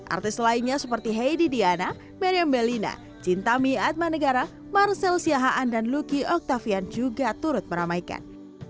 artis lainnya seperti heidi diana meriam belina cintami atmanegara marcel siahaan dan lucky octavian juga turut meramaikan